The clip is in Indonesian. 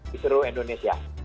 di seluruh indonesia